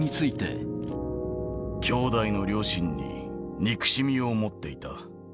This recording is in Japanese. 兄弟の両親に憎しみを持っていた。